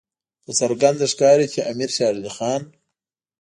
په څرګنده ښکاري چې امیر شېر علي خان.